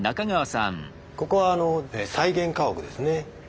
ここは再現家屋ですね。